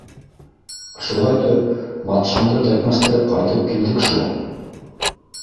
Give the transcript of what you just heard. Шулайтып батшаңды тәкмәстереп ҡайтып килдек шул.